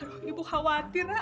aduh ibu khawatir nak